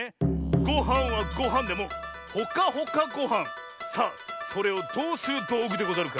ごはんはごはんでもほかほかごはんさあそれをどうするどうぐでござるか？